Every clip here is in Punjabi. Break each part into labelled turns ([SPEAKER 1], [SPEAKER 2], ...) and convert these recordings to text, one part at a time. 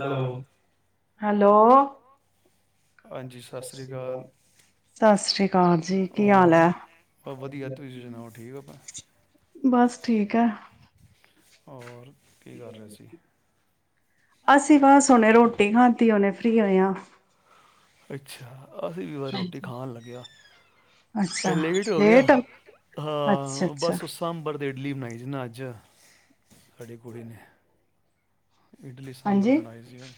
[SPEAKER 1] ਹੈਲੋ
[SPEAKER 2] ਹੈਲੋ-ਹੈਲੋ
[SPEAKER 1] ਹਾਂਜੀ ਸਤਿ
[SPEAKER 2] ਼ਸਤਿ
[SPEAKER 1] ਸ਼੍ਰੀ
[SPEAKER 2] ਸ੍ਰੀ ਅਕਾਲ ਸਤਿ ਸ੍ਰੀ ਆਕਾਲ ਜੀ ਕੀ
[SPEAKER 1] ਔਰ
[SPEAKER 2] ਹਾਲ ਹੈ
[SPEAKER 1] ਬ ਵਧੀਆ ਤੁਸੀਂ ਸੁਣਾਓ ਠੀਕ ਆਪਾਂ
[SPEAKER 2] ਬਸ ਠੀਕ ਹੈ।
[SPEAKER 1] ਔਰ ਕੀ ਕਰ ਰਹੇ ਸੀ
[SPEAKER 2] [unintelligible] ਅਸੀਂ ਬਸ ਹੁਨੇ ਰੋਟੀ ਖਾਧੀ ਹੁਨੇ ਫ੍ਰਰੀ ਹੋਏ ਆ।
[SPEAKER 1] ਅੱਛਾ ਅਸੀਂ ਵੀ ਵਾਰ ਰੋਟੀ ਖਾਣ ਲੱਗਿਆ ਅ ਲੇਟ ਹੋ ਗਿਆ
[SPEAKER 2] ਅੱਛਾ
[SPEAKER 1] ਹਾਂ
[SPEAKER 2] ਅੱਛਾ
[SPEAKER 1] ਬਸ ਸਾਂਬਰ ਦੇ ਇਡਲੀ ਬਣਾਈ ਸੀ ਨਾ ਅੱਜ ਸਾਡੀ ਕੁੜੀ ਨੇ ਇਡਲੀ ਸਾਂਬਰ
[SPEAKER 2] ਹਾਂਜੀ
[SPEAKER 1] ਬਣਾਏ ਸੀ ਹੁਣ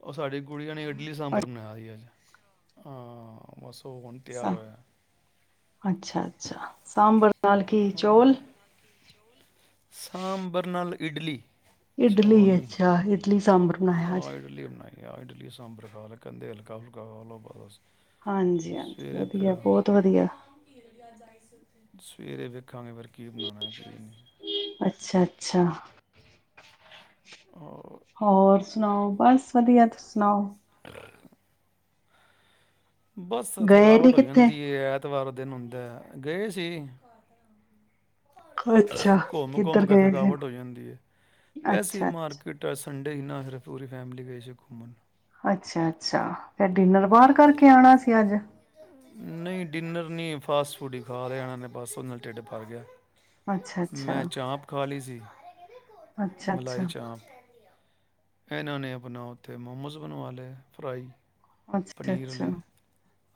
[SPEAKER 1] ਉਹ ਸਾਡੀ ਕੁੜੀੀਆਂ ਨੇ ਇਡਲੀ ਸਾਂਬਰ ਬਣਾਇਆ ਸੀ ਅੱਜ ਹਾਂ ਬਸ ਉਹ ਹੁਣ ਤਿਆਰ ਹੋਇਆ
[SPEAKER 2] ਅੱਛਾ-ਅੱਛਾ ਸਾਂਬਰ ਨਾਲ ਕੀ ਚੋਲ
[SPEAKER 1] ਸਾਂਬਰ ਨਾਲ ਇਡਲੀ ਚੌਲ
[SPEAKER 2] ਇਡਲੀ
[SPEAKER 1] ਨਹੀਂ
[SPEAKER 2] ਅੱਛਾ ਇਡਲੀ ਸਾਂਬਰ ਬਣਾਇਆ ਅੱਜ
[SPEAKER 1] ਜਾਂ ਇਡਲੀ ਸਾਂਬਰ ਖਾਯਾ ਕਹਿੰਦੇ ਹਲਕਾ-ਫੁਲਕਾ ਖਾ ਲੋ ਬਸ
[SPEAKER 2] ਹਾਂਜੀ-ਹਾਂਜੀ
[SPEAKER 1] ਸਵੇਰੇ
[SPEAKER 2] ਵਧੀਆ
[SPEAKER 1] ਫਿਰ
[SPEAKER 2] ਬਹੁਤ ਵਧੀਆ।
[SPEAKER 1] [inaudible] ਸਵੇਰੇ ਵੇਖਾਂਗੇ ਫਿਰ ਕੀ‌ ਬਣਾਣਾ ਕੀ ਨਹੀਂ-
[SPEAKER 2] ਅੱਛਾ- ਅੱਛਾ।
[SPEAKER 1] ਔਰ
[SPEAKER 2] ਹੋਰ ਸੁਣਾਓ ਬਸ ਵਧੀਆ ਤੁਸੀਂ ਸੁਣਾਓ।
[SPEAKER 1] ਬਸ
[SPEAKER 2] ਗਏ ਨੀ
[SPEAKER 1] ਥਕਾਵਟ ਹੋ
[SPEAKER 2] ਕਿੱਥੇ
[SPEAKER 1] ਜਾਂਦੀ ਏ ਐਤਵਾਰ ਦਿਨ ਹੁੰਦਾ ਗਏ ਸੀ।
[SPEAKER 2] ਅੱਛਾ
[SPEAKER 1] ਘੁੰਮ-ਘੁੰਮ
[SPEAKER 2] ਕਿੱਧਰ
[SPEAKER 1] ਕੇ
[SPEAKER 2] ਗਏ ਸੀ
[SPEAKER 1] ਥਕਾਵਟ ਹੋ ਜਾਂਦੀ ਹੈ। ਵੈਸੀ
[SPEAKER 2] ਅੱਛਾ ਅੱਛਾ
[SPEAKER 1] ਮਾਰਕੀਟ ਸੰਡੇ ਸੀ ਨਾ ਸਿਰਫ ਪੂਰੀ ਫੈਮਲੀ ਗਏ ਸੀ ਘੁੰਮਣ
[SPEAKER 2] ਅੱਛਾ-ਅੱਛਾ। ਫਿਰ ਡਿਨਰ ਬਾਹਰ ਕਰਕੇ ਆਣਾ ਸੀ ਅੱਜ
[SPEAKER 1] ਨਹੀਂ ਡਿਨਰ ਨਹੀਂ ਫਾਸਟ ਫੂਡ ਹੀ ਖਾ ਲਿਆਣਾ ਨੇ ਬਸ ਉਹ ਨਾਲ ਢਿੱਡ ਭਰ ਗਿਆ।
[SPEAKER 2] ਅੱਛਾ ਅੱਛਾ
[SPEAKER 1] ਮੈਂ ਚਾਂਪ ਖਾ ਲਈ ਸੀ।
[SPEAKER 2] ਅੱਛਾ ਅੱਛਾ
[SPEAKER 1] ਮਲਾਈ ਚਾਂਪ ਇਹਨਾਂ ਨੇ ਆਪਣਾ ਉੱਥੇ ਮੋਮੋਸ ਬਣਵਾ ਲਏ ਫਰਾਈ ਪਨੀਰ
[SPEAKER 2] ਅੱਛਾ-ਅੱਛਾ।
[SPEAKER 1] ਵਾਲੇ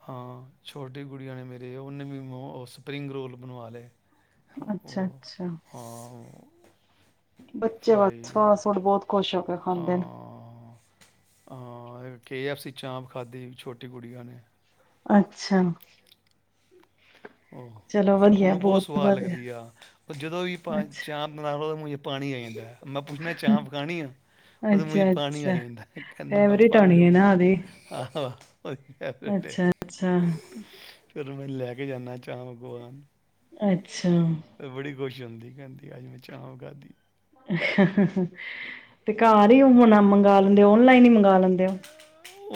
[SPEAKER 1] ਹਾਂ ਛੋਟੀ ਗੁੜੀਆਂ ਨੇ ਮੇਰੇ ਉਹਨੇ ਵੀ ਮ ਸਪਰਿੰਗ ਰੋਲ ਬਣਵਾ ਲਏ।
[SPEAKER 2] ਅੱਛਾ, ਅੱਛਾ।
[SPEAKER 1] ਉਹ ਆਮ
[SPEAKER 2] ਬੱਚੇ ਬਸ
[SPEAKER 1] ਫਰਾਈ
[SPEAKER 2] ਫਾਸਟ- ਫੁੜ ਬਹੁਤ ਖੁਸ਼ ਹੋ ਕੇ
[SPEAKER 1] ਆ
[SPEAKER 2] ਖਾਂਦੇ ਨੇ।
[SPEAKER 1] ਕੇ ਐੱਫ ਸੀ ਚਾਂਪ ਖਾਧੀ, ਛੋਟੀ ਕੁੜੀਆਂ ਨੇ।
[SPEAKER 2] ਅੱਛਾ। ਚਲੋ ਵਧੀਆ
[SPEAKER 1] ਉਹਨੂੰ ਬਹੁਤ ਸਵਾਦ
[SPEAKER 2] ਵਧੀਆ
[SPEAKER 1] ਲੱਗਦੀ ਆ, ਉਹ ਜਦੋਂ ਵੀ
[SPEAKER 2] ਅੱਛਾ
[SPEAKER 1] ਚਾਹ ਬਣਾ ਪਾਣੀ ਆਈ ਜਾਂਦਾ ਹੈ [inaudible] ਮੈਂ ਚਾਂਪ ਖਾਣੀ ਆ, ਉਹਦੇ
[SPEAKER 2] ਅੱਛਾ
[SPEAKER 1] ਮੂੰਹਚ ਪਾਣੀ
[SPEAKER 2] ਅੱਛਾ
[SPEAKER 1] ਆਈ ਜਾਂਦਾ, ਕਹਿੰਦੀ
[SPEAKER 2] ਫੇਵਰੇਟ
[SPEAKER 1] ਪਾਪਾ ਮੇਰੇ
[SPEAKER 2] ਹੋਣੀ ਹੈ ਨਾ ਉਹਦੀ
[SPEAKER 1] ਮੂੰਹ ਹੋ ਫੈਰੇਟ
[SPEAKER 2] ਅੱਛਾ ਅੱਛਾ
[SPEAKER 1] [inaudible] ਫਿਰ ਮੈਂ ਲੈ ਕੇ ਜਾਂਦਾ। ਜਾਾਗਵਾਨ [inaudible]
[SPEAKER 2] ਅੱਛਾ। ਸਮ [inaudible]
[SPEAKER 1] ਖੁਸ਼ ਹਦੀ ਕ ਹੁੰਦੀ ਅੱਜ ਮੈਂ ਚਾਂ ਉਗਾਾਦੀ [inaudible]
[SPEAKER 2] ਤੇ ਘਰ ਹੀ ਹੁਣ ਮੰਗਾ ਲੈਂਦੇਓ, ਓਨਲਾਈਨ ਹੀ ਮੰਗਵਾ ਲੈਂਦੇ ਓ?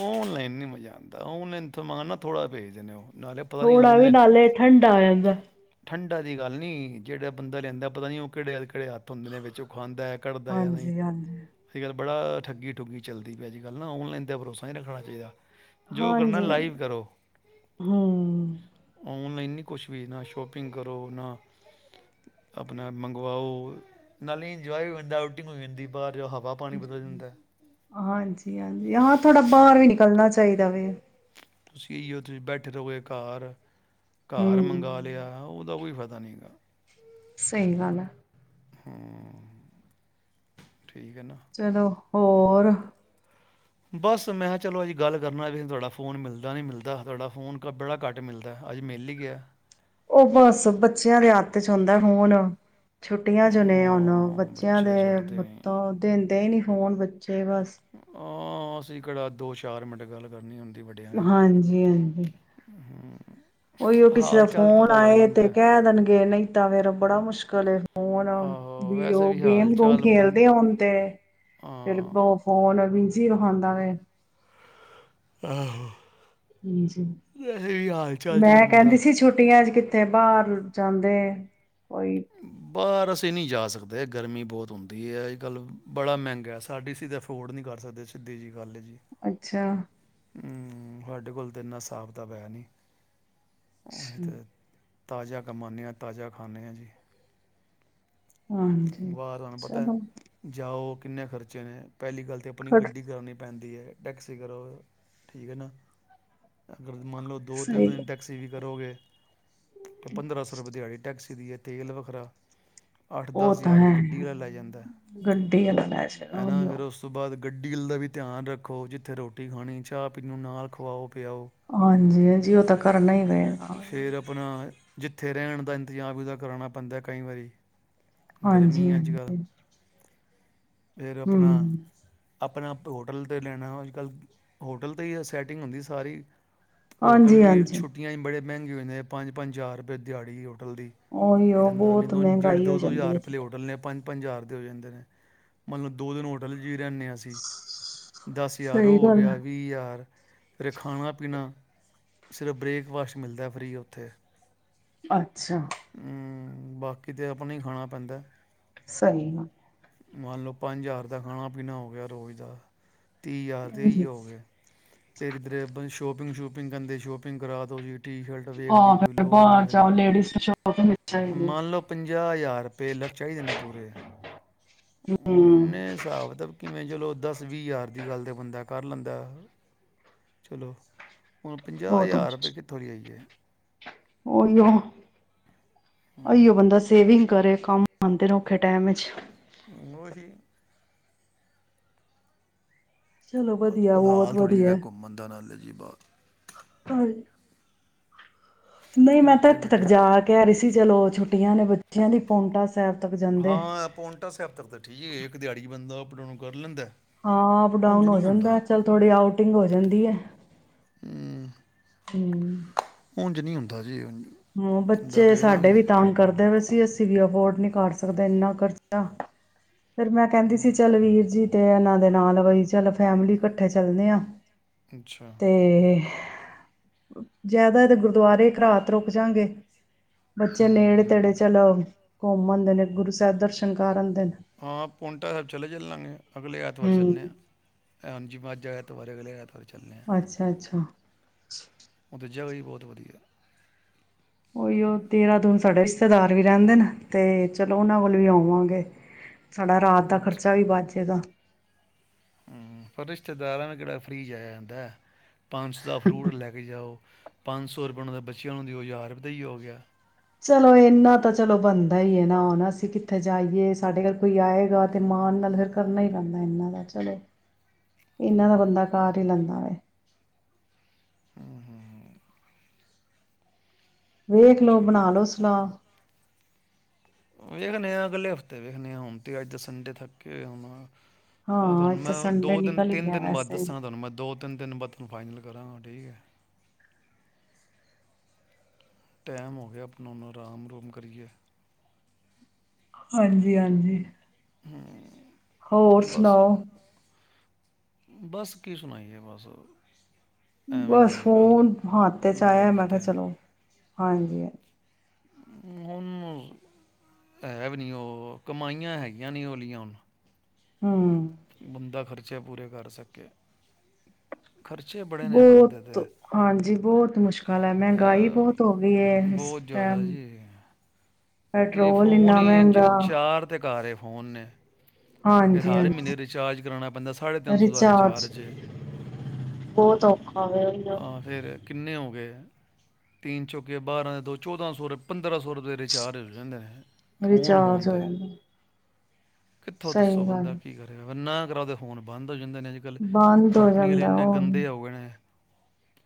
[SPEAKER 1] ਓਨਲਾਈਨ ਨੀ ਮਜ਼ਾ ਆਉਂਦਾ, ਓਨਲਾਈਨਥ ਮੰਗਉਣਾ ਥੋੜਾ ਭੇਜਣੇ ਉਹ ਨਾਲੇ ਪਤਾ ਨਹੀਂ
[SPEAKER 2] ਥੋੜਾ ਵੀ
[SPEAKER 1] ਆਨਲਾਈਨ
[SPEAKER 2] ਨਾਲੇ, ਠੰਡਾ ਆ ਜਾਂਦਾ।
[SPEAKER 1] ਠੰਡਾ ਦੀ ਗੱਲ ਨਹੀਂ, ਜਿਹੜਾ ਬੰਦਾ ਲਿਆਂਦਾ ਪਤਾ ਨਹੀਂ, ਉਹ ਕਿਹੜੇ -ਕਿਹੜੇ ਹੱਥ ਹੁੰਦੇ ਨੇ ਵਿੱਚ ਉਹ ਖਾਂਂਦਾ।
[SPEAKER 2] ਹਾਂਜੀ -ਹਾਂਜੀ।
[SPEAKER 1] ਬੜਾ ਠੱਗੀ ਠੁੱਗੀ ਚਲਦੀ ਪਈ ਅਜ- ਕੱਲ੍ਹ, ਔਨਲਾਈਨ ਦਾ ਭਰੋਸਾ ਨਹੀਂ ਰੱਖਣਾ ਚਾਹੀਦਾ। ਜੋ ਕਰਨਾ
[SPEAKER 2] ਹਾਂਜੀ
[SPEAKER 1] ਲਾਈਵ ਕਰੋ,
[SPEAKER 2] ਹਮ
[SPEAKER 1] ਆਨਲਾਈਨ ਕੁਛ ਵੀ ਨਾ ਸ਼ੋਭ ਸ਼ਪਿੰਗ ਕਰੋ ਨਾ, ਆਪਣਾ ਮੰਗਵਾਓ ਨਾਲੇ ਇੰਜੋਏ ਵੀ ਹੋ ਜਾਂਦਾ, ਆਊਟਿੰਗ ਹੋ ਜਾਂਦੀ ਬਾਹਰ ਜਾਓ ਹਵਾ ਪਾਣੀ ਬਦਲ ਜਾਂਦਾ।
[SPEAKER 2] ਹਾਂਜੀ, ਹਾਂਜੀ। ਹਾਂ ਥੋੜਾ ਬਾਹਰ ਵੀ ਨਿਕਲਣਾਹੀ ਚਾਹੀਦਾਵੇ
[SPEAKER 1] ਤੁਸੀਂ ਇਓ ਤੁਸੀਂ ਬੈਠੇ ਰਹੋਗੇ, ਘਾਰ ਘਰ ਮੰਗ
[SPEAKER 2] ਹਮ
[SPEAKER 1] ਲਿਆ ਉਹ ਉਹਦਾ ਕੋਈ ਪਤਾ ਨਹੀਂ ਗਾ
[SPEAKER 2] ਸਹੀ ਗਲ ਹੈ।
[SPEAKER 1] ਹਮ ਠੀਕ ਹ
[SPEAKER 2] ਚਲੋ ਹੋਰ
[SPEAKER 1] ਬਸ ਮੈਂ ਕਿਹਾਂ ਚਲੋ, ਅੱਜ ਗੱਲ ਕਰਨਾ ਵੀ ਤੁਹਾਡਾ ਫੋਨ ਮਿਲਦਾ ਨਹੀਂ ਮਿਲਦਾ, ਤੁਹਾਡਾ ਫੋਨ ਕ ਬੜਾ ਘਟ ਮਿਲਦਾ ਅੱਜ ਮਿਲ ਹੀ ਗਿਆ।
[SPEAKER 2] ਉਹ ਬਸ ਬੱਚਿਆਂ ਦੇ ਹੱਤ ਚ ਹੁੰਦਾ ਤਾਂ ਹੁਣ ਛੁੱਟੀਆਂ ਚ ਨੇ ਉਹਨ
[SPEAKER 1] ਹਾਂ,
[SPEAKER 2] ਬੱਚਿਆਂ
[SPEAKER 1] ਬੱਚੇ
[SPEAKER 2] ਦੇ
[SPEAKER 1] ਛੱਡਦੇ ਨਹੀਂ
[SPEAKER 2] ਤੋਂ ਦਿੰਦੇ ਹੀ ਨੀ ਫੋਣ ਬੱਚੇ ਜੇ ਬਸ
[SPEAKER 1] ਹਾਂ ਅਸੀਂ ਕਰਾ ਦੋ ਚਾਰ ਮਿੰਟ ਗੱਲ ਕਰਨੀ ਹੁੰਦੀ ਹੈ
[SPEAKER 2] ਹਾਂਜੀ, ਹਾਂਜੀ। ਉਹੀ ਉਹ ਕਿਸੇ ਦਾ
[SPEAKER 1] ਹਾਲ ਚਾਲ
[SPEAKER 2] ਫੋਨ
[SPEAKER 1] ਪਤਾ ਲੱਗ
[SPEAKER 2] ਆਏ
[SPEAKER 1] ਜਾਂਦਾ
[SPEAKER 2] ਤੇ
[SPEAKER 1] ਹੈ।
[SPEAKER 2] ਕਹਿ ਦੇਣਗੇ ਨਹੀਂ ਤਾਂ ਫੇਰ ਬੜਾ ਮੁਸ਼ਕਿਲ ਅਜ ਕਲੇੇ ਫੋਨ
[SPEAKER 1] ਆਹੋ
[SPEAKER 2] ਵੀ
[SPEAKER 1] ਵੈਸੇ
[SPEAKER 2] ਉਹ
[SPEAKER 1] ਹਾਲ
[SPEAKER 2] ਗੇਮ ਗੂਮ
[SPEAKER 1] ਚਾਲ ਬੰ
[SPEAKER 2] ਖੇਲਦੇ ਹੋਣ ਤੇ ਫਿਰ
[SPEAKER 1] ਹਾਂ
[SPEAKER 2] ਉਹ ਫੋਨ ਵੀ ਰਖਾਂਦਾ ਵ
[SPEAKER 1] ਆਹੋ।
[SPEAKER 2] ਹਾਜੀ
[SPEAKER 1] ਵੈਸੇ ਵੀ ਹਾਲ ਚਾਲ ਚਲੋ
[SPEAKER 2] ਮੈਂ
[SPEAKER 1] ਬੰਦਾ
[SPEAKER 2] ਕਹਿੰਦੀ ਸੀ ਛੁੱਟੀਆਂ ਵਿਚ ਕਿੱਥੇ ਥੇ ਬਾਹਰ ਜਾਂਦੇ ਕੋਈ
[SPEAKER 1] ਬਾਹਰ ਅਸੀਂ ਨਹੀਂ ਜਾ ਸਕਦੇ ਗਰਮੀ ਬਹੁਤ ਹੁੰਦੀ ਹੈ। ਅੱਜ, ਕੱਲ੍ਹ ਬੜਾ ਮਹਿੰਗਾ ਸਾਡੀ ਸੀ ਤਾਂ ਅਫੋਰਡ ਨਹੀਂ ਕਰ ਸਕਦੇ ਸਿੱਧੀ ਜੀ
[SPEAKER 2] ਅੱਛਾ।
[SPEAKER 1] ਹਮ ਸਾਡੇ ਕੋਲ ਤਾਂ ਇੰਨਾ ਹਿਸਾਬ ਕਿਤਾਬ ਹੈ ਨਹੀਂ ਉਹੀ
[SPEAKER 2] ਅੱਛਾ
[SPEAKER 1] ਤੇ ਹੈ ਤਾਜ਼ਾ ਕਮਾਾਨਦੇ ਹਾਂ। ਤਾਜ਼ਾ ਖਾਨਦੇ ਹਾਂ ਜੀ।
[SPEAKER 2] ਹਾਂਜੀ
[SPEAKER 1] ਬਾਹਰ ਤੁਹਾਨੂੰ ਪਤਾ
[SPEAKER 2] ਚਲੋ
[SPEAKER 1] ਜਾਓ ਕਿੰਨੇ ਖਰਚੇ ਨੇ ਪਹਿਲੀ ਗੱਲ ਤਾਂ ਆਪਣੀ
[SPEAKER 2] ਖੜ
[SPEAKER 1] ਗੱਡੀ ਕਰਨੀ ਪੈਂਦੀ ਹੈ ਟੈਕਸੀ ਕਰੋ ਠੀਕ ਹੈ ਨਾ। ਮੰਨ ਲਓ ਦੋ ਤਿੰਨ
[SPEAKER 2] ਸਹੀ
[SPEAKER 1] ਦਿਨ
[SPEAKER 2] ਗੱਲ।
[SPEAKER 1] ਟੈਕਸੀ ਵੀ ਕਰੋਗੇ ਪੰਦਰਾਂ ਸੌ ਰੁਪਏ ਦਿਹਾੜੀ ਟੈਕਸੀ ਗੱਡੀ ਦਾ ਤੇਲ ਵੱਖਰਾ ਅੱਠ
[SPEAKER 2] ਉਹ
[SPEAKER 1] ਦਸ
[SPEAKER 2] ਤਾਂ
[SPEAKER 1] ਹਜ਼ਾਰ ਤੇ
[SPEAKER 2] ਹੈ
[SPEAKER 1] ਗੱਡੀ ਵਾਲਾ ਲੈ ਜਾਂਦਾ
[SPEAKER 2] ਗੱਡੀ ਵਾਲਾ ਲੈ ਜਾਏਗਾ
[SPEAKER 1] ਹੈ ਨਾ
[SPEAKER 2] ਉਹੀਓ
[SPEAKER 1] ਫਿਰ ਉਸ ਤੋਂ ਬਾਅਦ ਗੱਡੀ ਦਾ ਵੀ ਧਿਆਨ ਰੱਖ ਜਿੱਥੇ ਰੋਟੀ ਖਾਣੀ ਚਾਹ ਪੀ ਨੂੰ ਨਾਲ ਖਵਾਓ ਪਿਆਓ
[SPEAKER 2] ਹਾਂਜੀ ਹ ਜੀ ਉਹ ਤਾਂ ਕਰਨਾ ਹੀ ਪਏਗਾ
[SPEAKER 1] ਫਿਰ ਆਪਣਾ ਜਿੱਥੇ ਰਹਿਣ ਦਾ ਇੰਤਜ਼ਾਮ ਇਦਾ ਕਰਵਾਉਣਾ ਪੈਂਦਾ ਕਈ ਵਾਰੀ
[SPEAKER 2] ਹਾਂਜੀ
[SPEAKER 1] ਗਰਮੀ ਅੱਜ ਕੱਲ੍ਹ
[SPEAKER 2] ਹਾਂਜੀ
[SPEAKER 1] ਫਿਰ ਆਪਣਾ
[SPEAKER 2] ਹਮ
[SPEAKER 1] ਆਪਣੇ ਆਪ ਹੋਟਲ 'ਤੇ ਲੈਣਾ ਅੱਜ ਕੱਲ੍ਹ ਹੋਟਲ 'ਤੇ ਹੀ ਸੈਟਿੰਗ ਹੁੰਦੀ ਸਾਰੀ ਹੋਟਲ
[SPEAKER 2] ਹਾਂਜੀ
[SPEAKER 1] ਵੀ
[SPEAKER 2] ਹਾਂਜੀ
[SPEAKER 1] ਛੁੱਟੀਆਂ ਚ ਬੜੇ ਮਹਿੰਗੇ ਹੋਏ ਨੇ ਪੰਜ ਪੰਜ ਹਜ਼ਾਰ ਰੁਪਏ ਦਿਹਾੜੀ ਹੋਟਲ ਦੀ
[SPEAKER 2] ਉਹੀ
[SPEAKER 1] ਇੱਕ
[SPEAKER 2] ਉਹ
[SPEAKER 1] ਦੰਦਾ ਨ
[SPEAKER 2] ਬਹੁਤ
[SPEAKER 1] ਦ ਜਿਹੜੇ
[SPEAKER 2] ਮਹਿੰਗਾਈ ਹੋ
[SPEAKER 1] ਦੋ-ਦੋ ਹਜ਼ਾਰ
[SPEAKER 2] ਜਾਂਦੀ
[SPEAKER 1] ਰੁਪਏ ਆਲੇ
[SPEAKER 2] ਹੈ
[SPEAKER 1] ਹੋਟਲ ਨੇ ਪੰਜ ਪੰਜਾਰ ਦੇ ਹੋ ਜਾਂਦੇ ਨੇ ਮਤਲਬ ਦੋ ਦਿਨ ਹੋਟਲ ਹੀ ਰਹਿਨੇਆਂ ਅਸੀਂ ਦਸ ਹਜ਼ਾਰ
[SPEAKER 2] ਸਹੀ
[SPEAKER 1] ਉਹ ਹੋ
[SPEAKER 2] ਗੱਲ
[SPEAKER 1] ਗਿਆ। ਤ ਯਾਰ ਫਿਰ ਖਾਣਾ ਪੀਣਾ ਸਿਰਫ ਬ੍ਰੇਕਫਾਸਟ ਮਿਲਦਾ ਫ੍ਰੀ ਉੱਥੇ।
[SPEAKER 2] ਅੱ ਛਾ।
[SPEAKER 1] ਹਮ, ਬਾਕੀ ਤਾਂ ਆਪਣਾ ਹੀ ਖਾਣਾ ਪੈਂਦਾ।
[SPEAKER 2] ਸਹੀ ਹ।
[SPEAKER 1] ਮੰਨ ਲਓ ਪੰਜ ਹਜ਼ਾਰ ਦਾ ਖਾਣਾ-ਪੀਣਾ ਹੋ ਗਿਆ ਰੋਜ਼ ਦਾ। ਤੀਹ ਹਜ਼ਾਰ ਦੇ ਹੀ
[SPEAKER 2] ਹਾਂਜੀ
[SPEAKER 1] ਹੋ ਗਏ। ਫਿਰ ਰੇ ਸ਼ੋਪਿੰਗ ਸੂਪਿੰਗ ਕਦੇ ਸ਼ੋਪਿੰਗ ਕਰਾ ਦੋ ਜੀ। ਟੀ ਸ਼ਰਟ ਵੇਖ
[SPEAKER 2] ਹਾਂ
[SPEAKER 1] ਲਈ, ਕੋਈ
[SPEAKER 2] ਫਿਰ
[SPEAKER 1] ਲੋਅਰ
[SPEAKER 2] ਬਾਹਰ
[SPEAKER 1] ਵੇਖ
[SPEAKER 2] ਜਾਓ
[SPEAKER 1] ਲਿਆ
[SPEAKER 2] ਲੇਡੀਜ਼ ਸ਼ੋਪਿੰਗ ਚਾਹੀਦੀ
[SPEAKER 1] ਮੰਨ ਲਓ ਪੰਜਾਹ ਹਜ਼ਾਰ ਰੁਪਏ ਲੱਖ ਚਾਹੀਦੇ ਨੇ ਪੂਰੇ। ਹੁਣ
[SPEAKER 2] ਹਮ
[SPEAKER 1] ਇੰਨੇ ਹਿਸਾਬ ਦਾ ਕਿਵੇਂ ਚਲੋ ਦਸ, ਵੀਹ ਹਜ਼ਾਰ ਦੀ ਗੱਲ ਤੇ ਬੰਦਾ ਕਰ ਲੈਂਦਾ ਚਲੋ। ਹੁਣ ਪੰਜਾਹ ਹਜ਼ਾਰ ਰੁਪਏ ਕਿੱਥੋਂ ਲਿਆਈਏ।
[SPEAKER 2] ਓਹੀਓ ਅਹੀਓ ਬੰਦਾ ਸੇਵਿੰਗ ਕਰੇ। ਕੰਮ ਆਉਂਦੇ ਔਖੇ ਟਾਈਮ ਵਿੱਚ।
[SPEAKER 1] ਉਹ ਹੀ।
[SPEAKER 2] ਚਲੋ
[SPEAKER 1] ਅੱਜ
[SPEAKER 2] ਵਧੀਆ
[SPEAKER 1] ਕੱਲ
[SPEAKER 2] ਬਹੁਤ
[SPEAKER 1] ਹਾਲ ਥੋੜ੍ਹੀ ਹੈਗਾ
[SPEAKER 2] ਵਧੀਆ
[SPEAKER 1] ਘੁੰਮਣ ਦਾ ਨਾਲੇ ਜੀ ਬਾਰ।
[SPEAKER 2] ਨਹੀਂ ਮੈਂ ਤਾਂ ਇੱਥੇ ਤੱਕ ਜਾ ਕਹਿ ਰਹੀ ਸੀ ਚਲੋ ਛੁੱਟੀਆਂ ਨੇ ਬੱਚਿਆਂ ਦੀ ਪੋਂਟਾ ਸਾਹਿਬ ਤੱਕ ਜਾਂਦੇ
[SPEAKER 1] ਹਾਂ ਪੋਂਟਾ ਸਾਹਿਬ ਤਾਂ ਠੀਕ ਹੈ ਇੱਕ ਦਿਹਾੜੀ ਬੰਦਾ ਪ੍ਰੋਗਰਾਮ ਕਰ ਲੈਂਦਾ।
[SPEAKER 2] ਹਾਂ ਅਪ
[SPEAKER 1] ਉਂਝ
[SPEAKER 2] ਡਾਊਨ ਹੋ
[SPEAKER 1] ਨਹੀਂ ਹੁੰਦਾ
[SPEAKER 2] ਜਾਂਦਾ ਚੱਲ ਥੋੜੀ ਆਊਟਿੰਗ ਹੋ ਜਾਂਦੀ ਹੈ
[SPEAKER 1] ਹੂੰ
[SPEAKER 2] ਹਮ।
[SPEAKER 1] ਨੀ ਹੁੰਦਾ ਜੇ ਉ
[SPEAKER 2] ਹਾਂ ਬੱਚੇ ਸਾਡੇ ਵੀ ਤੰਗ ਕਰਦੇ ਪਏ ਅਸੀ ਵੀ ਅਫੋਰਡ ਨੀ ਕਰ ਸਕਦਾ ਇੰਨਾ ਖਰਚਾ। ਫਿਰ ਮੈਂ ਕਹਿੰਦੀ ਸੀ
[SPEAKER 1] ਹੂੰ
[SPEAKER 2] ਚਲ ਵੀਰ ਜੀ ਤੇ ਇਹਨਾਂ ਦੇ ਨਾਲ ਬਈ ਚੱਲ ਫੈਮਲੀ ਇਕੱਠੇ ਚੱਲਨੇ ਆ।
[SPEAKER 1] ਅੱਛਾ
[SPEAKER 2] ਤੇ ਜ਼ਿਆਦਾ ਤੇ ਗੁਰਦੁਆਰੇ ਇਕ ਰਾਤ ਰੁਕ ਜਾਗੇ। ਬੱਚੇ ਨੇੜੇ ਤੇੜੇ
[SPEAKER 1] ਹੂੰ
[SPEAKER 2] ਚਲਓ ਘੁੰਮਣ ਦੇ ਨੇ ਗੁਰੂ ਸਾਹਿਬ ਦਰਸ਼ਨ ਕਰਨ
[SPEAKER 1] ਹਾਂ ਪੳਟਾ ਸਾਹਿਬ ਚਲੇ ਚੱਲਣਾਂਗੇ ਅਗਲੇ ਐਤਵਾਰ
[SPEAKER 2] ਹੂੰ।
[SPEAKER 1] ਚੱਲਦੇ ਹਾਂ। ਹਾਂਜੀ ਮਾਝਾ ਐਤਵਾਰ ਅਗਲੇ ਐਤਵਾਰ ਵਾਰ ਚ
[SPEAKER 2] ਅੱਛਾ ਅੱਛਾ
[SPEAKER 1] ਉਹ ਤਾਂ ਜਗ੍ਹਾ ਹੀ ਬਹੁਤ ਵਧੀਆ
[SPEAKER 2] ਉਹੀ ਉਹ ਦੇਹਰਾਦੂਨ ਸਾਡੇ ਰਿਸ਼ਤੇਦਾਰ ਵੀ ਰਹਿੰਦੇ ਨੇ ਤੇ ਚਲੋ ਉਹਨਾਂ ਕੋਲ ਵੀ ਹੋਆਵਾਂਗੇ। ਸਾਡਾ ਰਾਤ ਦਾ
[SPEAKER 1] ਅੱਛਾ
[SPEAKER 2] ਖਰਚਾ ਵੀ ਬੱਚ ਜੇਗਾ।
[SPEAKER 1] ਹੂੰ ਪਰ ਰਿਸ਼ਤੇਦਾਰਾਂ ਨੂੰ ਕਿਹੜਾ ਫ੍ਰਰੀ ਜਾਇਆ ਜਾਂਦਾ। ਪੰਜ ਸੋ ਦਾ ਫਰੂਟ ਲੈ ਕੇ ਜਾਓ। ਪੰਜ ਸੌ ਰੁਪਏ ਉਹਨਾਂ ਦਾ ਬੱਚਿਆਂ ਨੂੰ ਦਿਓ ਹਜ਼ਾਰੁਪਏ ਦਾ ਹੀ ਹੋ ਗਿਆ।
[SPEAKER 2] ਚਲੋ ਇੰਨਾ ਤਾਂ ਚਲੋ ਬੰਦਾ ਬਦਾ ਨਾ ਨਾ ਅਸੀਂ ਕਿੱਥੇ ਜਾਈਏ ਸਾਡੇ ਘਰ ਕੋਈ ਆਏਗਾ ਤੇ ਮਾਣ ਨਾਲ ਫਿਰ ਕਰਨਾ ਹੀ ਪੈਂਦਾ ਇਹਨਾਂ ਦਾ ਚਲੋ ਇਹਨਾਂ ਦਾ ਬੰਦਾ ਕਾਰ ਹੀ ਲੈਂਂਦਾ
[SPEAKER 1] ਹੂੰ ਹੂੰ ਹੂੰ
[SPEAKER 2] ਵੇਖ ਲੋ
[SPEAKER 1] ਚਲੋ
[SPEAKER 2] ਬਣਾ ਲਓ ਸਲਾਹ
[SPEAKER 1] ਵੇਖ ਦੇ ਆ ਅਗਲੇ ਹਫ਼ਤੇ ਅਤੇ ਵੇਖਣੀ ਹੁਮ ' ਅੱਜ ਦ ਸੰਡੇ ਥ ਕੇ ਹੁਣ ਆਹ
[SPEAKER 2] ਹਾਂ
[SPEAKER 1] ਤੁਹਾਨੂੰ
[SPEAKER 2] ਅੱਜ ਤਾਂ
[SPEAKER 1] ਮੈਂ
[SPEAKER 2] ਸੰਡੇ
[SPEAKER 1] ਦੋ ਦਿਨ
[SPEAKER 2] ਨਿਕਲ ਹੀ
[SPEAKER 1] ਤਿੰਨ
[SPEAKER 2] ਗਿਆ
[SPEAKER 1] ਦਿਨ ਬਾਅਦ
[SPEAKER 2] ਵੈਸੇ ਵੀ।
[SPEAKER 1] ਦੱਸਾਂ ਤੁਹਾਨੂੰ ਮੈਂ ਦੋ ਤਿੰਨ ਦਿਨ ਬਾਅਦ ਤੁਹਾਨੂੰ ਫਾਈਨਲ ਕਰਨ ਡੇ ਟੈਮ ਹੋ ਗਿਆ ਆਪਣਾ ਹੂਣ ਆਰਾਮ ਰੂਮ ਕਰੀਏ
[SPEAKER 2] ਹਾਂਜੀ ਹਾਂਜੀ ਹੋਰ
[SPEAKER 1] ਬਸ
[SPEAKER 2] ਸੁਣਾਓ
[SPEAKER 1] ਬਸ ਕੀ ਸੁਣਾਈਏ ਬਸ ਐਵੇਂ ਹੀ
[SPEAKER 2] ਬਸ
[SPEAKER 1] ਅੱਜ
[SPEAKER 2] ਹੁ ਹੱਥ ਤੇ
[SPEAKER 1] ਕੱਲ੍ਹ
[SPEAKER 2] ਚ ਆਇਆ
[SPEAKER 1] ਲਾਈਫ
[SPEAKER 2] ਮੈਂ ਕਿਹਾ
[SPEAKER 1] ਤੇ
[SPEAKER 2] ਚਲੋ ਹਾਂਜੀ
[SPEAKER 1] ਹੁਣ ਹੈ ਵੀ ਨੀ ਉਹ ਕਮਾਈਆਂ ਹੈਗੀਆਂ ਨੀ ੳਲੀਆਂ ਹੁਣ
[SPEAKER 2] ਹੂੰ
[SPEAKER 1] ਬੰਦਾ ਖਰਚ ਅੱਚੇ ਪੂਰੇ ਕਰ ਸਕੇ ਖਰਚੇ ਬੜੇ ਨੇ ਬੰਦੇ
[SPEAKER 2] ਬਹੁਤ
[SPEAKER 1] ਦੇ
[SPEAKER 2] ਹਾਂਜੀ। ਬਹੁਤ ਮੁਸ਼ਕਿਲ ਮਹਿੰਗਾਈ
[SPEAKER 1] ਇਹ
[SPEAKER 2] ਬਹੁਤ ਹੋ ਗਈ ਇਸ
[SPEAKER 1] ਬਹੁਤ ਜ਼ਿਆਦਾ
[SPEAKER 2] ਟਾਈਮ
[SPEAKER 1] ਜੀ ਤੁਸੀਂ
[SPEAKER 2] ਪੈਟਰੋਲ
[SPEAKER 1] ਫੋਨ
[SPEAKER 2] ਇੰਨਾ
[SPEAKER 1] ਹੀ ਜ-
[SPEAKER 2] ਮਹਿੰਗਾ
[SPEAKER 1] ਚਾਰ ਤੇ ਘਰ ਹੈ ਫੋਨ ਫ
[SPEAKER 2] ਹਾਂਜੀ
[SPEAKER 1] ਹਰ
[SPEAKER 2] ਹਾਂਜੀ
[SPEAKER 1] ਮਹੀਨੇ ਰਿਚਾਰਜ ਕਰਾਣਾ ਪੈਂਦਾ ਸਾਢੇ ਤਿੰਨ ਸੌ ਦਾ ਰਿਚਾਰਜ ਹੈ। ਆ ਫਿਰ
[SPEAKER 2] ਹੋਰ
[SPEAKER 1] ਕਿੰਨੇ ਹੋਗੇ? ਤਿਨ, ਚੌਂਕੇ ਬਾਰਾਂ, ਦੋ, ਚੋਦਾਸੋਂ, ਪੰਦ ਪੰਦਰਾਂ ਸੌ, ਰੁਪੇ ਦਾ ਰਿਚਾਰਜ ਹੋ ਜਾਂਦੇ ਫੋਨ- ਫੋਨ
[SPEAKER 2] ਰਿਚਾਰਜ ਹੋ
[SPEAKER 1] ਤੇ।
[SPEAKER 2] ਜਾਂਦਾ
[SPEAKER 1] ਕਿੱਥੋਂ
[SPEAKER 2] ਸਹੀ
[SPEAKER 1] ਦੱਸੋ
[SPEAKER 2] ਗੱਲ
[SPEAKER 1] ਬੰਦਾ ਕੀ ਕਰੇਗਾ? ਨਾ, ਕਰਾਓ ਤੇ, ਫੋਨ ਬੰਦ। ਪਤਾ ਜਾਂਦੇ ਨੇ, ਅੱਜ-ਕੱਲ
[SPEAKER 2] ਬੰਦ ਹੋ
[SPEAKER 1] ਕੰਪਨੀ ਵਾਲੇ
[SPEAKER 2] ਜਾਂਦਾ
[SPEAKER 1] ਇੰਨੇ
[SPEAKER 2] ਉਹੀ
[SPEAKER 1] ਗੰਦੇ ਉ ਗਏ ਨੇ।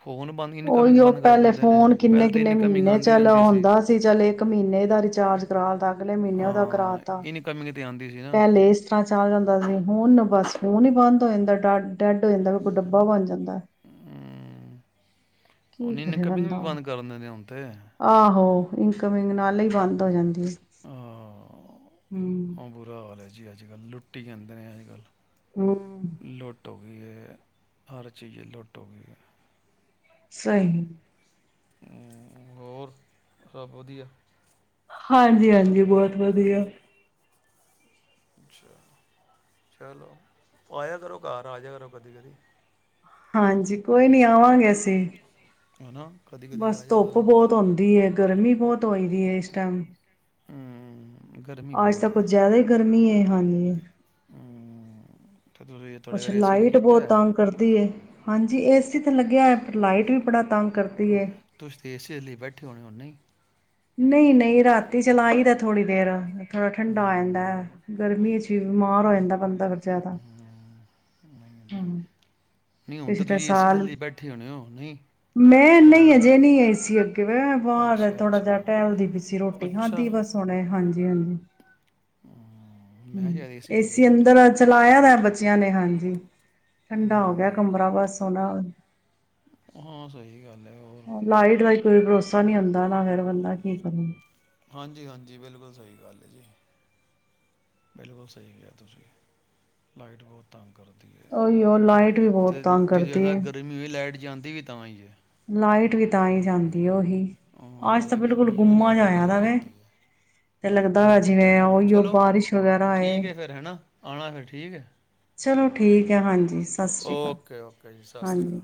[SPEAKER 1] ਫੋਨ ਬੰਦ
[SPEAKER 2] ਉਹੀ,
[SPEAKER 1] ਇਨਕਮਿੰਗ
[SPEAKER 2] ਉਹ,
[SPEAKER 1] ਬੰਦ ਕਰ
[SPEAKER 2] ਪਹਿਲੇ
[SPEAKER 1] ਦਿੰਦੇ ਨੇ
[SPEAKER 2] ਫੋਨ
[SPEAKER 1] ਪਹਿਲ ਤੇ
[SPEAKER 2] ਕਿੰਨੇ-ਕਿੰਨੇ
[SPEAKER 1] ਇਨਕਮਿੰਗ
[SPEAKER 2] ਮਹੀਨੇ
[SPEAKER 1] ਆਂਦੀ
[SPEAKER 2] ਚਲ
[SPEAKER 1] ਰਹਿੰਦੀ
[SPEAKER 2] ਆਉਂਦਾ ਸੀ। ਚੱਲ ਇੱਕ ਮਹੀਨੇ ਦਾ ਰਿਚਾਰਜ ਕਰਾ ਤ ਪੈਲੇ ਮਹੀਨੇ ਉਹਦਾ ਕਰਾ
[SPEAKER 1] ਹਾਂ
[SPEAKER 2] ਤਾ,
[SPEAKER 1] ਇਨਕਮਿੰਗ ਤੇ ਆਂਦੀ ਸੀ ਨਾ
[SPEAKER 2] ਪਹਿਲੇ ਇਸ ਤਰ੍ਹਾਂ ਚੱਲ ਜਾਂਦਾ ਸੀ, ਹੁਣ ਬਸ ਫੋਨ ਈ ਬੰਦ। ਇੰਦਰ ਡਾਟ ਡੈਡ ਹੋ ਜਾਂਦਾ ਵੀ, ਕੋਈ ਡੱਬਾ ਬਣ ਜਾਂਦਾ। ਕੀ ਕਰੇ
[SPEAKER 1] ਇਨਕਮਿੰਗ
[SPEAKER 2] ਬੰਦਾ
[SPEAKER 1] ਵੀ ਬੰਦ ਕਰ ਦਿੰਦੇ ਹੂਣ ਤੇ।
[SPEAKER 2] ਆਹੋ। ਇਨਕਮਿੰਗ ਨਾਲ ਹੀ ਬੰਦ ਹੋ ਜਾਂਦੀ। ਹੂੰ
[SPEAKER 1] ਉਹ ਬੁਰਾ ਹਾਲ ਹੈ ਜੀ, ਅੱਜ-ਕੱਲ ਲੁੱਟੀ ਜਾਂਦੇ ਨੇ ਅੱਜ- ਕੱਲ।
[SPEAKER 2] ਹੂੰ
[SPEAKER 1] ਲੁੱਟ ਹੋ ਹਰ ਚੀਜ਼ ਲੁੱਟੋਗੀ।
[SPEAKER 2] ਸਹੀ
[SPEAKER 1] ਹੋਰ, ਸਭ ਵਧੀਆ?
[SPEAKER 2] ਹਾਂਜੀ- ਹਾਂਜੀ ਬਹੁਤ ਵਧੀਆ।
[SPEAKER 1] ਅੱਛਾ। ਚਲੋ, ਆਯਾ ਕਰੋ ਘਰ, ਆਜਿਆ ਕਰੋ ਕਦੀ ਕਦੀ
[SPEAKER 2] ਹਾਂਜੀ। ਕੋਈ ਨਹੀਂ ਆਵਾਂਗੇ ਅਸੀੇ,
[SPEAKER 1] ਹਨਾ ਕਦੀ ਕਦੀ
[SPEAKER 2] ਬੱਸ
[SPEAKER 1] ਆ ਜਾ
[SPEAKER 2] ਧੁੱਪ
[SPEAKER 1] ਕਰੋ ਘਰ
[SPEAKER 2] ਬਹੁਤ ਹੁੰਦੀ ਏ, ਗਰਮੀ ਬਹੁਤ ਹੋਈ। ਦੀ ਇਸ ਟੈਮ
[SPEAKER 1] ਹੂੰ
[SPEAKER 2] ਆਜ ਤਾ ਕੁਝ ਜ਼ਿਆਦਾ ਹੀ ਗਰਮੀ ਹੇ, ਹਾੰਜੀ।
[SPEAKER 1] ਹਮ, ਤੇ ਤੁਸੀਂ ਤੁਹਾਡੇ
[SPEAKER 2] ਕੁੱਛ
[SPEAKER 1] ਘਰ ਏਸੀ
[SPEAKER 2] ਲਾਈਟ
[SPEAKER 1] ਲੱਗਿਆ
[SPEAKER 2] ਬਹੁਤ
[SPEAKER 1] ਹੋਇਆ ਹੈ?
[SPEAKER 2] ਤੰਗ ਕਰਦੀ ਏ, ਹਾਂਜੀ। ਇਸ, ਇੱਥੇ ਲੱਗਿਆਇ ਲਾਈਟ ਵੀ ਬੜਾ ਤੰਗ ਕਰਦੀ ਏ
[SPEAKER 1] ਤੁਸੀਂ ਤੇ ਏ ਸੀ ਦੇ ਲਈ ਬੈਠੇ ਹੋਣੇ ਉਹੇ
[SPEAKER 2] ਨਹੀਂ- ਨਹੀਂ ਰਾਤੀ ਚਲਾਈ ਦਾ ਥੋੜ੍ਹੀ ਦੇਰ‌। ਥੋੜਾ ਠੰਡਾ ਹੋ ਆਂਦਾ
[SPEAKER 1] ਹਮ,
[SPEAKER 2] ਗਰਮੀ 'ਚ ਬਿਮਾਰ ਹੋ ਜਾਂਦਾ ਬੰਦਾ ਫਿਰ, ਜ਼ਿਆਦਾ।
[SPEAKER 1] ਨਹੀਂ ਹੁੰਦੇ
[SPEAKER 2] ਹੂੰ
[SPEAKER 1] ਨਹੀਂ ਹੁਣ ਤਾਂ
[SPEAKER 2] ਪਿਛਲੇ
[SPEAKER 1] ਤੁਸੀਂ ਏਸੀ
[SPEAKER 2] ਸਾਲ
[SPEAKER 1] ਥੱਲੇ ਬੈਠੇ ਹੋਣੇ ਹੋ ਨਹੀਂ
[SPEAKER 2] ਮੈਂ ਨਹੀਂ
[SPEAKER 1] ਆਰਾਮ
[SPEAKER 2] ਅਜੇ ਨਹੀਂ ਆਈ ਸੀ, ਅੱਗੇ ਵੈਂ
[SPEAKER 1] ਸੀ
[SPEAKER 2] ਬਾਹਰ
[SPEAKER 1] ਅੱਛਾ
[SPEAKER 2] ਥੋੜਾ
[SPEAKER 1] ਅੱਛਾ
[SPEAKER 2] ਜਿਹਾ ਟਹਿਲਦੀ ਪਈ ਸੀ ਰੋਟੀ
[SPEAKER 1] ਅੱਛਾ
[SPEAKER 2] ਖਾਂਧੀ ਬਸ ਹੁਣੇ, ਹਾਂਜੀ। ਹਹ
[SPEAKER 1] ਹਮ, ਮੈਂ
[SPEAKER 2] ਹੂੰ,
[SPEAKER 1] ਸ਼ਾਇਦ ਥੱਲੇ
[SPEAKER 2] ਏਸੀ
[SPEAKER 1] ਬੈਠੇ ਹੋਏ
[SPEAKER 2] ਅੰਦਰ ਚਲਾਇਆ ਹੋਇਆ ਬੱਚਿਆਂ ਨੇ, ਹਾਂਜੀ। ਜੀ। ਠੰਡਾ ਹੋ ਗਿਆ।
[SPEAKER 1] ਹੂੰ
[SPEAKER 2] ਕਮਰਾ ਬਸ ਸੋਣਾ ਹੁਨ,
[SPEAKER 1] ਹਾਂ ਸਹੀ ਗੱਲ ਹੈ ਹੋਰ
[SPEAKER 2] ਲਾਈਟ ਦਾ ਕੋਈ ਭਰੋਸਾ ਨਹੀਂ ਹੁੰਦਾ ਨਾ, ਫਿਰ ਬੰਦਾ ਕੀਕ [inaudible]
[SPEAKER 1] ਹਾਂਜੀ -ਹਾਂਜੀ, ਬਿਲਕੁਲ ਸਹੀ ਗੱਲ ਹੈ ਜੀ। ਬਿਲਕੁਲ ਸਹੀ ਕਿਹਾ ਤੁਸੀਂ, ਲਾਈਟ ਬਹੁਤ ਤੰਗ ਕਰਦੀ ਹੈ
[SPEAKER 2] ਉਹੀ ਉਹ ਲਾਈਟ ਵੀ ਬਹੁਤ
[SPEAKER 1] ਤੇ
[SPEAKER 2] ਤੰਗ
[SPEAKER 1] ਜਦੋਂ
[SPEAKER 2] ਕਰਦੀ
[SPEAKER 1] ਜ਼ਿਆਦਾ
[SPEAKER 2] ਏ।
[SPEAKER 1] ਗਰਮੀ ਹੋਈ ਲਾਈਟ ਜਾਂਦੀ ਵੀ ਤਾਂਾ ਹੀ ਜਚ
[SPEAKER 2] ਲਾਈਟ ਵੀ ਤਾਂ ਹੀ ਜਾਂਦੀ ਉਹੀ,
[SPEAKER 1] ਹਾਂ
[SPEAKER 2] ਅੱਜ ਤਾਂ
[SPEAKER 1] ਜ਼ਿਆਦਾ
[SPEAKER 2] ਬਿਲਕੁਲ
[SPEAKER 1] ਗਰਮੀ ਹੋਈ ਨਾ
[SPEAKER 2] ਗੁੰਮਾ
[SPEAKER 1] ਲਾਈਟ
[SPEAKER 2] ਜਾ
[SPEAKER 1] ਬੜੀ
[SPEAKER 2] ਆਇਆ ਦਾ
[SPEAKER 1] ਚਲੀ
[SPEAKER 2] ਵੈ।
[SPEAKER 1] ਜਾਂਦੀ ਹੈ
[SPEAKER 2] ਤੇ ਲੱਗਦਾ ਦਾਰ ਜਿਵੇਂ
[SPEAKER 1] ਬੜਾ
[SPEAKER 2] ਉਹੀ ਉਹ
[SPEAKER 1] ਚਲੋ
[SPEAKER 2] ਬਾਰਿਸ਼ ਵਗੈਰਾ ਆਏ
[SPEAKER 1] ਠੀਕ ਹੈ ਫਿਰ ਹੈ ਨਾ ਆਉਣਾ ਫਿਰ ਠੀਕ ਹੈ।
[SPEAKER 2] ਚਲੋ ਠੀਕ ਹੈ, ਹਾਂਜੀ, ਸਤਿ ਸ੍ਰੀ ਅਕਾਲ
[SPEAKER 1] ਓਕੇ ਓਕੇ ਜੀ ਸਤਿ ਸ਼੍ਰੀ
[SPEAKER 2] ਹਾਂਜੀ।
[SPEAKER 1] ਅਕਾਲ